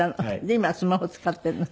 で今はスマホ使ってるの？